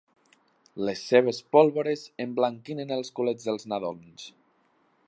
Les seves pólvores emblanquinen els culets dels nadons.